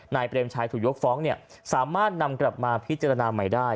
เปรมชัยถูกยกฟ้องสามารถนำกลับมาพิจารณาใหม่ได้